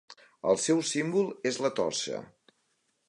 El seu símbol és la torxa.